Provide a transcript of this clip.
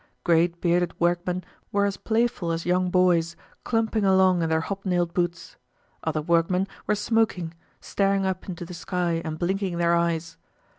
Great bearded workmen were as playful as young boys, clumping along in their hobnailed boots. Other workmen were smoking, staring up into the sky and blinking their eyes.